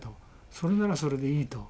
それならそれでいいと。